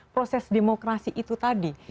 proses demokrasi itu tadi